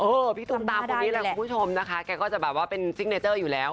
พี่ตูมตามคนนี้แหละคุณผู้ชมนะคะแกก็จะแบบว่าเป็นซิกเนเจอร์อยู่แล้ว